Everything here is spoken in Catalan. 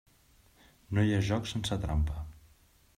No hi ha joc sense trampa.